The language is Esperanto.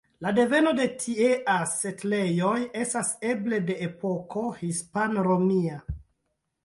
La deveno de tiea setlejoj estas eble de epoko hispan-romia.